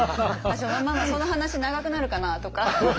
「ママその話長くなるかな？」とか。